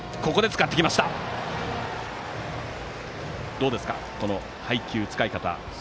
どうですか、配球、使い方。